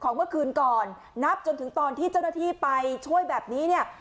เมื่อคืนก่อนนับจนถึงตอนที่เจ้าหน้าที่ไปช่วยแบบนี้เนี่ย